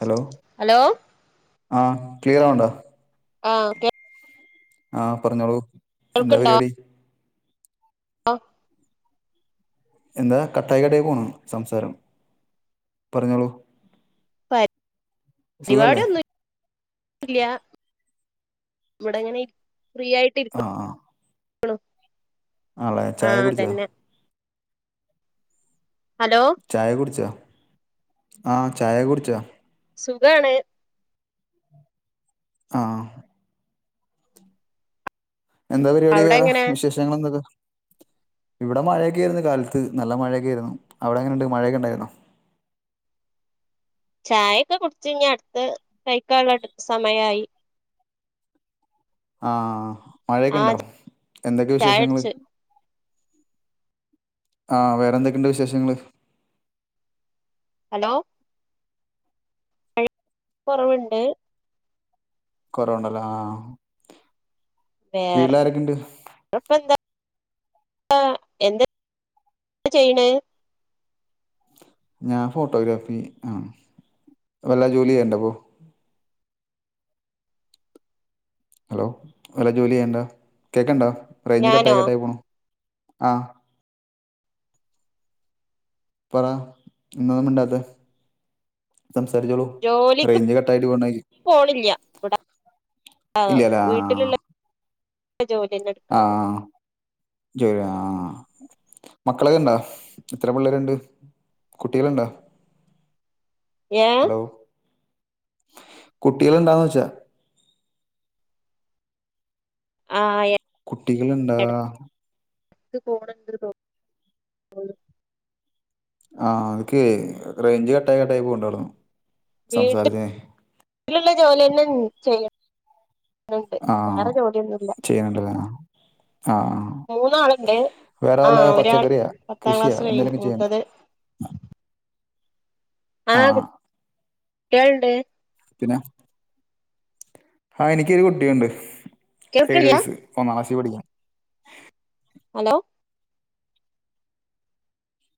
Hello hello ആഹ് ക്ലിയറാവ്ണ്ടോ ആഹ് ഓക്കെ ആഹ് പറഞ്ഞോളൂ എന്താ പരിപാടി? ആഹ് എന്താ കട്ടായി കട്ടായി പോണ് സംസാരം പറഞ്ഞോളൂ സുഖല്ലേ പരിപാടിയൊന്നും ഇല്ലാ ഇവിടെങ്ങനെ ഫ്രീ ആയിട്ട് ആഹ് ഇരിക്കുന്നു ആഹ് ആണോ ആണല്ലേ ചായ കുടിച്ചോ? ഹലോ ചായ കുടിച്ചോ ആഹ് ചായ കുടിച്ചോ? സുഖാണ് ആഹ് എന്താ പരിപാടി അവിടെ വേറെ എങ്ങനെ വിശേഷങ്ങൾ എന്തൊക്കെ ഇവിടെ മഴക്കെ ആയിരുന്നു കാലത്ത് നല്ല മഴക്കെ ആയിരുന്നു. അവിടെ എങ്ങനെണ്ട് മഴക്കെണ്ടായിരുന്നോ? ചായൊക്കെ കുടിച്ച് ഇഞ്ഞി അടുത്ത കഴിക്കാള്ള സമയായി ആഹ് മഴക്കെ ഇണ്ടോ ആഹ് എന്തൊക്കെയ വിശേഷങ്ങള് ചായുടിച്ച് ആഹ് വേറെ എന്തൊക്കെണ്ട് വിശേഷങ്ങള് ഹലോ കൊറവിണ്ട് കൊറവുണ്ടല്ലോ ആഹ് വേറെ വീട്ടിലാരൊക്കെയുണ്ട് പ്പ എന്താ എന്ത ചെയ്യണേ ഞാൻ ഫോട്ടോഗ്രാഫി ആഹ് വല്ല ജോലി ചെയ്യണ്ടപ്പോ ഹലോ വല്ല ജോലി ചെയ്യണ്ടോ കേക്കണ്ടോ റേഞ്ച് ഞാനോ കട്ടായി കട്ടായി പോണു ആഹ് പറ എന്താന്നും മിണ്ടാത്തേ സംസാരിച്ചോളു ജോലിക്ക് റേഞ്ച് കട്ടായിട്ട് പോണായി ആഹ് ഇല്ലല്ലേ വീട്ടിലുള്ള ജോലിന്നെ എടുക്കണത് ആഹ് ജോ ആഹ് മക്കളൊക്കെ ഇണ്ടാ എത്ര പിള്ളേരിണ്ട് കുട്ടികളിണ്ടാ ഏഹ് ഹലോ കുട്ടികളിണ്ടോന്ന് വെച്ചാ ആഹ് കുട്ടികൾ ഉണ്ടോ [unintelligible] ആഹ് ക്കേ റേഞ്ച് കട്ടായി കട്ടായി പോണുണ്ടായിരുന്നു വീട്ടിൽ വീട്ടിലുള്ള ജോലിന്നെ ചെയ്യണം ണ്ട് വേറെ ജോലിയൊന്നും ഇല്ല ചെയ്യാണ്ടല്ലേ ആഹ് ആഹ് മൂന്നാളുണ്ട് വേറെ ആ വല്ല ഒരാൾ പച്ചക്കറിയാ പത്താം കൃഷിയാ ക്ലാസ് കഴിഞ്ഞു എന്തേലക്കേ ചെയ്യാറുണ്ടോ മൂത്തത് ആ ആഹ് ആ കുട്ടികളിണ്ട് പിന്നെ ആഹ് എനിക്കൊരു കുട്ടിയുണ്ട് ഏഴു കേൾക്കില്ല വയസ്സ് ഒന്നാം ക്ലാസ്സി പഠിക്കണ് ഹലോ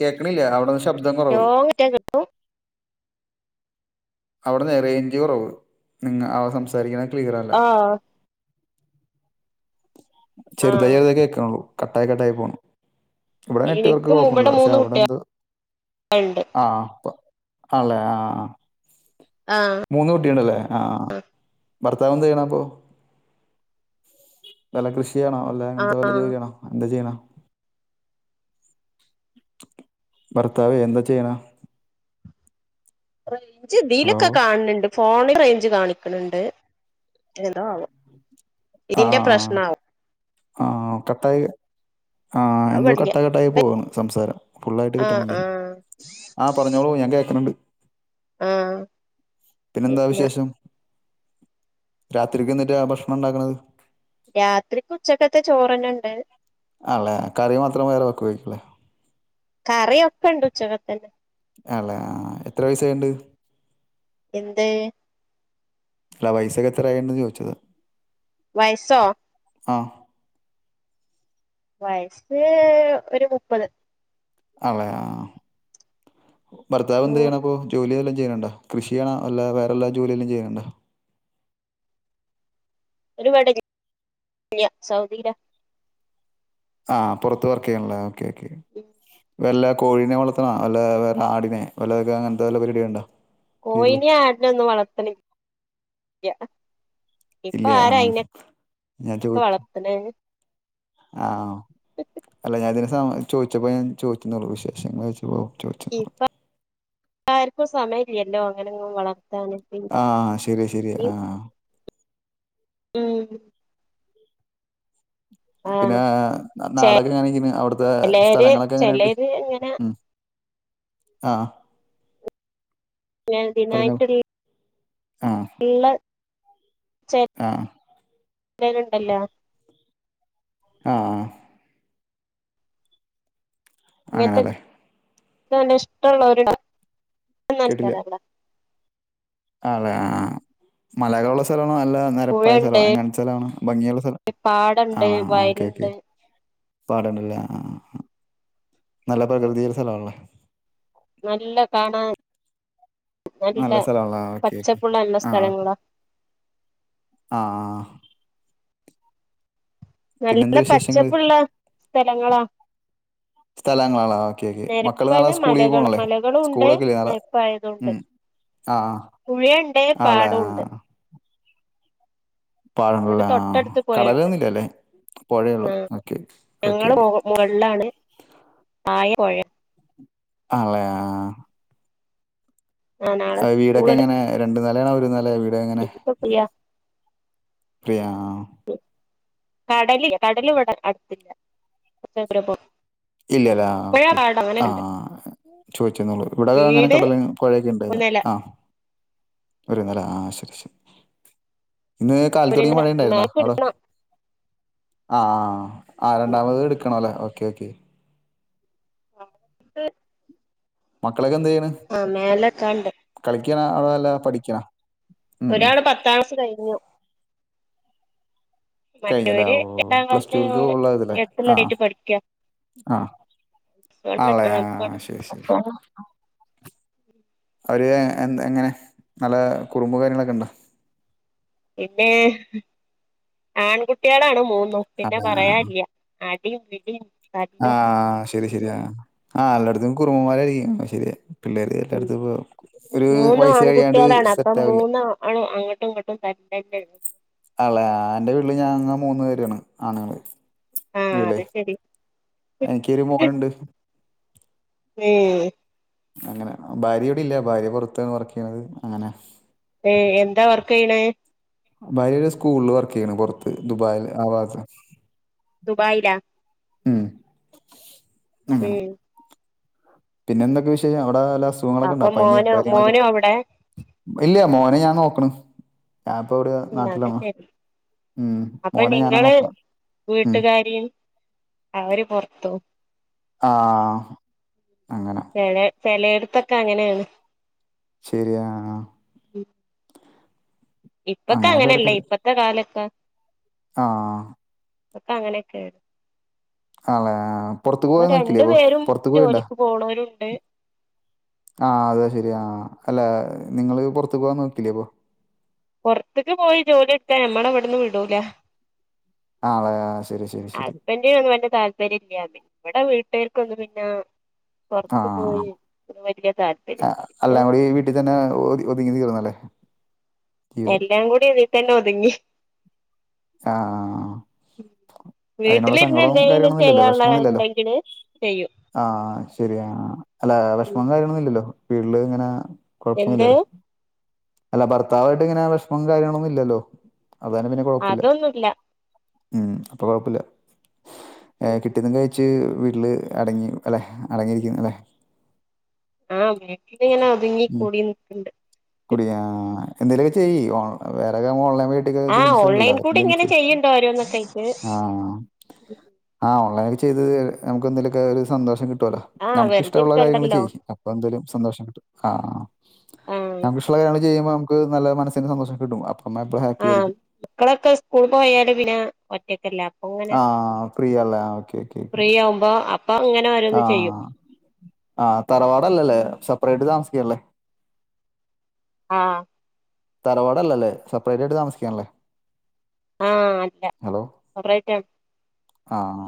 കേൾക്കണില്ലേ അവിടെന്ന് ലോ കിട്ടാ കിട്ടും അവിടെ റെയനേഞ്ചച് കുറവ് നിങ്ങ അവ സംസാരിക്കുന്നത് ക്ലിയർ അല്ല ആ ആ ചെറുതായി കേൾക്കുണുള്ളൂ കട്ടായി കട്ടായി പോകണം ഇവിടെ നെറ്റ്വർക്ക് എനിക്ക് കുഴപ്പല്ല ഇവിടെ പക്ഷെ മൂന്ന് അവിടെ ഴ എന്താ കുട്ടികളുണ്ട് കുഴപ്പേ ആല്ലെ ആഹ ആഹ് മൂന്ന് കുട്ടിയുണ്ടല്ലേ ആ ഭർത്താവ് എന്ത ചെയ്യണം അപ്പോൾ വില കൃഷിയാണോ അല്ലെ ആ അങ്ങനത്തെ വല്ല ജോലിയാണോ എന്താ ചെയ്യണ ഭർത്താവേ എന്താ ചെയ്യണ റേഞ്ച് ഹലോ ഇതിലൊക്കെ കാണിണക്ണ്ട് ഫോണ റേഞ്ച് കാണിക്കണണ്ട് എന്തോ ആവോ ഇതിന്റെ പ്രശ്നവും ആഹ് കട്ടായി ആഹ് അത് എന്തോ വടില്ല കട്ടകട്ടായി പോകുന്നു സംസാരം ഫുുള്ളായിട്ട് ആ കിട്ടണല്ലേ ആ ആഹ് പറഞ്ഞോളൂ ഞാൻ കേൾക്ക്ണ്ട് ആ പിന്നെന്താ പിന്നെ വിശേഷം രാത്രിക്ക് എന്നിട്ടാ ഭക്ഷണം ഉണ്ടാക്കണത് രാത്രിക്ക് ഉച്ചക്കത്തെ ചോറ്ന്നെ ഉണ്ട് അല്ലേ കറി മാത്രം വേറെ വെക്കുയ്ക്കും അല്ലേ കറിയൊക്കെ ഉണ്ട് ഉച്ചക്കക്ക്‌ ആല്ലേ ആഹ് എത്ര വയസായിണ്ട് എന്ത് ഫ്ലവേഴ്സ് ഒക്കെ എത്രയന്ന് ചോദിച്ചത് വയസോ ആഹ് വയസ്സ് ഒരു മുപ്പത് അല്ലെ ആഹ് ഭർത്താവ് എന്ത് ചെയ്യണ, അപ്പോൊ ജോലി വല്ലാം ചെയ്യണണ്ടോ കൃഷിയാണോ, അല്ല വേറെ എല്ലാ ജോലയിലും ചെയ്യണ്ടണ്ടോ ഓര് കടേൽ, ഇല്ല സൗദിയിലാ ആഹ് പുറത്ത് വർക്ക് ചെയ്യണല്ലേ ഓക്കെ ഓക്കെ വല്ല കോഴിനെ വളർത്തണ അല്ല വേറെ ആടിനെ വല്ല, വല്ല അങ്ങനത്തെ വല്ല പരിപാടിയ ഉണ്ടോ കീഴിൽ കൊയിനി ആടിനെ ഒന്ന് വളർത്തണ് ല്ല ഇല്ല ഇപ്പൊ ആ ആരായിനെ ഒക്കെ വളർത്തണത് ആഹ് അല്ല [unintelligible] ചോദിച്ചപ്പോ ഞാൻ ചോയി ച്ചിന്നുള്ളൂ വിശേഷൾ ചോദിച്ചപ്പൊ, ഒകെ ഒകെ ഇപ്പൊ ആർക്കും സമയമല്ലല്ലോ അങ്ങനെന്നും വളർത്താന് ആഹ് ശരി ശരി പിന്നിം ആഹ ഉം പിന്നെ ആഹ് നാടൊക്കെ എങ്ങനെ ഇരിക്കന് അവിടുത്തെ ചെലേര് സ്ഥലങ്ങളൊക്കെ എങ്ങനെുണ്ട് ചെലേര് ഇങ്ങനെ ഉം ആഹ് പിന്നെ, പിന്നെ പറഞ്ഞോളൂ ഇപ്പൊ ഒരു, ആഹ് ഊല ചെ ആഹ് ഉണ്ടല്ലോ ആഹ് ആഹ് ഇങ്ങനത്തെ അങ്ങനെല്ലേ നല്ല ഇഷ്ടമുള്ളഒരു ഒരു മത്സരല്ലേ ആണലെ, ആഹ് മലകളുള്ള സ്ഥലമാണ് അല്ല നിരപ്പായ സ്ഥലം പുഴണ്ട് എങ്ങനെത്തെ സ്ഥലണ് ഭംഗിയുള്ള സ്ഥലം പാടണ്ട് ആഹ് ഓക്കെ ഓക്കെ വയലുണ്ട് പാടാണ്ടല്ലേ ആഹ് നല്ല പ്രകൃതിള്ള സ്ഥലമാണല്ലേ നല്ല കാണാൻ നല്ല സ്ഥലമാണല്ലേ ഓക്കെ ഓക്കെ പച്ചപ്പുള്ള നല്ല ആഹ് സ്ഥലങ്ങളാണ് ആഹ് നല്ല പിന്നെന്താ വിശേഷങ്ങള് പച്ചപ്പുള്ള സ്ഥലങ്ങളാ [inaudible] സ്ഥലങ്ങളാണല്ലേ, ഓക്കെ ഓക്കെ മക്കള് നാളെ നെരപ്പായത് സ്കൂളീക്ക്‌ മലകൾ പോണ്ല്ലേ മലകളും ഉണ്ട് സ്കൂളൊക്കെല്ലേ നാളെ നെരപ്പായതുണ്ട് ഉം ആഹ് ആഹ് പുഴയുണ്ട് ആണ്ലെ പാടവുണ്ട് ആഹ് പാടങ്ങള് ഇവിടെ ല്ലേ ആഹ്, തൊട്ടടുത്ത് പുഴയുണ്ട് കടകളോന്നുല്ല ല്ലേ പുഴയേള്ളൂ ഓക്കെ ഓക്കെ, ഓക്കേ ഒക്കെ മുകൾലാണ്, താഴെ പൊഴാ ആണ്ലെ ആഹ് നാളെ എഹ് വീടൊക്കെ സ്കൂള് എങ്ങനെ രണ്ട് നെലേണോ ഒരു നെലെ ആണോ വീട് എങ്ങനെ ഇപ്പൊ ഫ്രീയാ ഫ്രിയാ ആഹ് കടലി കടല് ഇവിടെ അടുത്തില്ല കൊറച്ചാ ദൂരെ പോണം ഉം ഇല്ലെലെ ആഹ് പുഴ ഓക്കെ പാടം ആഹ് അങ്ങനെയൊക്കെണ്ട് ആഹ് ചോയ്ച്ച്ന്നൊള്ളൂ ഇവിടെക്കേ അങ്ങനെ വീട് കടലും, പുഴയൊക്കെ ഒരു ഉണ്ടായ്ന്നു നെല ആഹ് ഒരു നെലെ, ആഹ് ശരി ശരി ഇന്ന് കാല ഒരു തൊടങ്ങിയ നെല മഴുണ്ടായിരുന്നോ മാപ്പ് അവിടെ എടുക്കണം ആഹ് ഉം രണ്ടാമത് ഇട്ക്കണലെ ഓക്കെ, ഓക്കെ അത് മക്കളൊക്കെ എന്തെയ്യെണ് ആഹ് മേലെ ക്കാണ്ട് കളിയ്ക്കാണൊ അതോ അല്ല പഠിയ്ക്കാണോ ഒരാള് പത്താം ക്ലാസ് കയ്ഞ്ഞു കയ്ഞ്ഞുലെ മറ്റോര് ഓ രണ്ടാം പ്ലസ് ടൂൽക്ക് ക്ലാസ്സില് ഫോളോ ചെയ്ത് ലെ ആഹ് ആഹ് എട്ടുള്ളതായിട്ട് പഠിക്കാ ആഹ് ആഹ് പ്ലസ്‌വൺ ആണ് ലെ ആ പ്ലസ്‌വൺ ആഹ് ശരി ശരി അവര് എന്ത് എങ്ങനെ നല്ല കുറുമ്പും കാര്യങ്ങളൊക്കെ ഇണ്ടോ? പിന്നെ ആൺകുട്ടിയാളാണ് മൂന്നും പിന്നെ അതെ. പറയാൻല്യ അടിം പിടിം ആഹ് ശരി ശരിയാ ആഹ് എല്ലോട്ത്തും കുറുമ്പമ്മാരായിരിയ്ക്കും അത് ശരിയാ പിള്ളേര് ഉം എല്ലായിടത്തും ഇപ്പോ ഒരു മൂന്ന് വയസ്സ് കഴിയാണ്ട് ആൺകുട്ടിയാളാണ് അപ്പം സെറ്റ് ആവില്ല. മൂന്നാളും അങ്ങട്ടും ഇങ്ങട്ടും എപ്പും തല്ലെന്നെ ആണ്ല്ലേ ആ എന്റെ വീട്ടില് ഞാൻങ്ങ മൂന്ന് പേരു ആണ് ആണ്ങ്ങള് ആഹ് അത് ശെരി എനിക്കൊരു മോനുണ്ട് ഉം അങ്ങനെ ഭാര്യ ഇവ്ടെ ഇല്ല്യ ഭാര്യ പൊറത്താണ് വർക്ക് ചെയ്യ്ണത് അങ്ങനെ ഏഹ് എന്താ വർക്ക് ചെയ്യണെ? ഭാര്യ ഒരു സ്കൂളില് വർക്കെയ്യാണ് പൊർത്ത് ദുബായിൽ ആ ഭാഗത്ത് ദുബായില ഉം അങ്ങനെ. ഉം പിന്നെ എന്തൊക്കെ വിശേഷം അവടെ വല്ല അസുഖങ്ങളൊക്കെ ഉണ്ട അപ്പൊ പന്യൊ മോനോ കാര്യങ്ങളൊക്കെ ഉണ്ടാ മോനും അവിടെ ഇല്ല്യ മോനെ ഞാൻ നോക്ക്ണ് ഞാൻപ്പ ഇവടെ നാട്ടിലാണ്. ഉം അപ്പ മോനെ ഞാനാ നിങ്ങള് നോക്കണം ഉം വീട്ടുകാരിയും അവര് പൊർത്തും ആഹ് അങ്ങനെ ചെലേട്ത്തൊക്കെ അങ്ങനേണ് ശരി ആഹ് ആഹ് ഇപ്പക്കെ അങ്ങനെ അങ്ങനല്ലെ ഇപ്പത്തെ കാലൊക്കെ ആഹ് ഇപ്പത്തെ അങ്ങനൊക്കേണ് ആണ്ല്ലേ പൊറുത്ത് പോവാൻ നോക്കീല്ലേ അപ്പൊ പേരും പൊറുത്ത് ക്ക് പോയിണ്ടാ ജോലിക്ക് പോണോരുണ്ട് ആഹ് അത് ശരിയാ ആഹ് അല്ല നിങ്ങള് പൊറുത്ത്ക്ക് പോവാൻ നോകീലെ അപ്പൊ പൊർത്ത്ക്ക് പോയി ജോലി ഇട്ക്കാൻ ഞമ്മളെ ഇവ്ട്ന്ന് വിടൂല ആണ് ലെ ആഹ് ശരി ശരി ശരി ഇക്ക്യും അങ്ങനെ വല്യ താല്പര്യാന്ന് ഇവിടെ വീട്ടുകർക്കൊന്നും പിന്നെ പൊർത്ത് പോയി ഒരു വല്യ താൽപര്യ അ അല്ലാം കൂടി ഈ വീട്ടിതന്നെ ഒത് ഒത്ങ്ങി തീർന്നല്ലേ? ജീവിതം എല്ലാം കൂടി ഇതി തന്നെ ഒതുങ്ങി. ആഹ് ആ ആഹ് അയ്നോള്ള വീട്ടിലിരുന്ന് സങ്കടും എന്തെങ്കിലും കാര്യങ്ങളൊന്നുല്ലല്ലോ ചെയ്യാനുള്ള വെഷ്മൊന്നുല്ലല്ലോ ഉണ്ടെങ്കില് ചെയ്യും ആഹ് ശരിയാ അല്ല വെഷ്മും കാര്യങ്ങളൊന്നുല്ലല്ലോ വീട്ടില് ങ്ങനെ എന്ത് കൊഴപ്പൊന്നുല്ലല്ലോ അല്ല ഭർത്താവായിട്ട് ഇങ്ങനെ വെഷ്മും കാര്യങ്ങളൊന്നും ഇല്ലല്ലോ അതന്നെ കൊഴ്പ്പല്ല ഒന്നുല്ല ഉം അപ്പൊ കൊഴപ്പല്ല ഏ കിട്ട്യത് ങ്ങേ ച്ച് വീട്ടില് അടങ്ങി അല്ലേഹ് അടങ്ങിയിരിക്കുന്ന അല്ലേ ആഹ് വീട്ടില്ങ്ങനെ ഒതുങ്ങി കൂടി നിക്ക കൂടി ആഹ് എന്തേലൊക്കെ ചെയ്യ് ഓൺ വേറെക്കെ ഓൺലൈൻ ആഹ് ഓൺലൈൻ [unintelligible] കൂടി എന്തേലും ഇങ്ങനെ ചെയ്. ചെയ്യണ്ട് ഓരോന്നൊക്കെ ആയിട്ട് ആഹ് ആഹ് ആ ഓൺലൈനായി ചെയ്ത് നമുക്കെന്തേലൊക്കെ ഒരു സന്തോഷം കിട്ടുംലോ. ആഹ് നമ്ക്ക് വെറുതെ ഇഷ്ടള്ള കാര്യങ്ങങ്ങള് ഇരിക്കണ്ടല്ലോ ചെയ്യ് അപ്പൊ എന്തായാലും സന്തോഷം കിട്ടും. ആഹ് ആഹ് നമുക്ക് ഇഷ്ടള്ള കാര്യങ്ങൾ ചെയ്യുമ്പോ നമുക്ക് നല്ല മനസ്സിന് സന്തോഷം കിട്ടും. അപ്പം എപ്പോഴും ഹാപ്പി ആഹ് ആയിരിക്കും മക്കളൊക്കെ സ്കൂൾ പോയാല് പിന്നെ ഒറ്റക്കല്ലെ അപ്പൊ ങ്ങനെ ആ ഫ്രീ അല്ലേ ആ ഓക്കെ ഫ്രീ ആവുമ്പോ അപ്പൊ ങ്ങനെ ആഹ് ആ തറവാടല്ലല്ലേ സെപ്പറേറ്റ് താമസിക്കല്ലേ? ആഹ് തറവാട്ല്ലലേ സെപ്പറേറ്റ് ആയിട്ട് താമസിക്കാണ്ലൊ ആഹ് അല്ല സെപ്പറേറ്റ്ണ് ആഹ്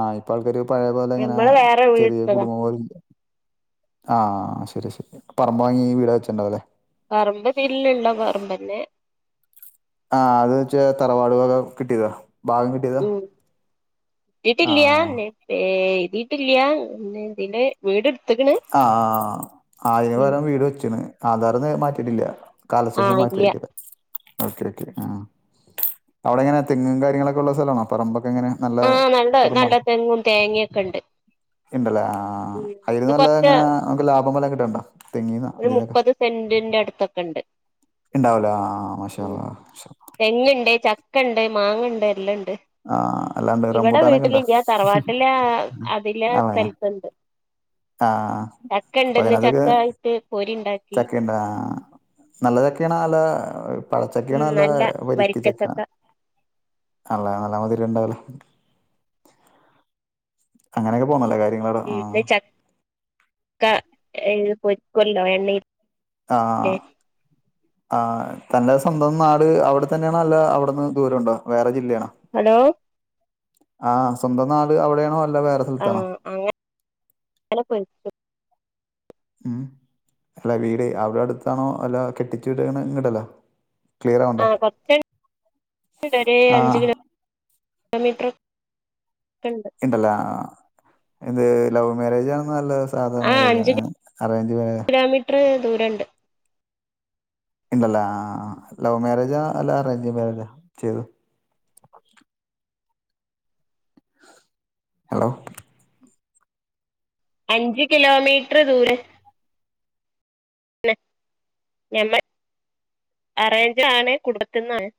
ആഹ് ഇപ്പാൾക്കാര് പയേ പോലെ ങ്ങനെ നമ്മള് വേറെ ചെറ്യേ വീടെടുത്തതാ കുടുംബം പോലെ ആ ശരി ശരി പറമ്പ് വാങ്ങി ഈ വീട്ടെ വെച്ചിണ്ടൊലെ പറമ്പ് തില്ള്ള പറമ്പെന്നെ ആഹ് അത് വെച്ചാ തറവാടുവക കിട്ടിയതാ ഭാഗം കിട്ടിയതാ ഉം ആഹ് കിട്ടിയിട്ടില്ല എഴുതിയിട്ടില്ല പിന്നെ വീട് ഇട്ത്ത്ക്ണ് ആ ആയ്ന്പകരം വീട് വച്ചിണ് ആധാർന്ന് മാറ്റിട്ടില്ല. കാലശേഷം ആഹ് മാറ്റും ഇല്ല ആയികരം ഓക്കെ ഓക്കെ ആ അവിടെ എങ്ങനെ തെങ്ങും കാര്യങ്ങളൊക്കെ ള്ള സ്ഥലമാണോ പറമ്പൊക്കെങ്ങനെ ആഹ് നല്ല നല്ല തെങ്ങും തേങ്യോക്കെണ്ട്. ഇണ്ട് ലേ ആ ആ ഉം ഇത് കൊറച്ച് നല്ലതെങ്ങനാ നമ്ക്ക്‌ ലാഭം വല്ലോം കിട്ട്ണ്ടോ തെങ്ങിന് തിന്നൊക്കെ? ഒക്കെണ്ട്. ഇണ്ടാവൂലാ ആ മാഷാഅള്ളാഹ് തെങ്ങ്ണ്ട് ചക്കണ്ട് മാങ്ങണ്ട് എല്ലണ്ട് ആഹ് അല്ലാണ്ട് ഇവടെ റംബൂട്ടാനൊക്കെ ഇണ്ടോ വീട്ടിലില്ല തറവാട്ടിലെ അതിലെ ആഹ് സ്ഥലത്ത്ട് ആഹ് അപ്പതിനത്തൊക്ക ചക്ക ആയിട്ട് പൊരി ഉണ്ടാക്കി ചക്ക്ണ്ട ആ നല്ല ചക്കേണോ അല്ല ഉം പഴച്ചക്കേണോ അല്ല നല്ല വരിക്ക ചക്ക വരിക്കച്ചക്ക അല്ല നല്ലമധിരണ്ടാവുല്ലെ അങ്ങനൊക്കെ പോണ് ല്ലെ ഈടെ ചക്ക പൊരിക്കല്ലോ എണ്ണ ആഹ് ആ ഇത്തന്റെ സ്വന്തം നാട് അവിടെ തന്നേണോ അല്ല അവിടന്ന് ദൂരം ണ്ടോ വേറെ ജില്ലേണോ ഹലോ? ആഹ് സ്വന്തം നാട് അവിടേണോ അല്ല വേറെ സ്ഥലത്താണോ അല്ല പെയ്ക്കൊ ഉം അല്ല വീട് അവവിടെ അടുത്താണോ അല്ല കെട്ടിച്ചു വരണ ഇങ്ങോട്ടല്ലോ ആ കൊറച്ച് ആ അഞ്ച് കിലോ ത്രക്കണ്ട് [unintelligible] ഇണ്ടല്ല ഇത് ലവ് മാരേജ് ആണ നല്ല സാധാ മാരേജ അറേഞ്ച് മാരേജ എത്ര ദൂരുണ്ട് ഉണ്ടല്ലേ ആഹ് ആഹ് ലവ് മാരേജാ അല്ല അറേഞ്ച് മാരേജാ ചെയ്തു ഹലോ അഞ്ച് കിലോമീറ്റർ ദൂരം ഞമ്മ അറേഞ്ച ആണ് കുടുംബത്തിന്നാണ്